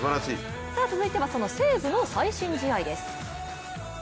続いてはその西武の最新試合です。